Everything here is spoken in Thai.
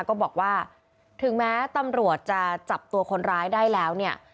ก็บอกว่าถึงแม้ตำรวจจะจับตัวคนร้ายได้แล้วเนี่ย